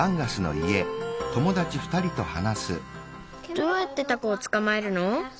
どうやってタコをつかまえるの？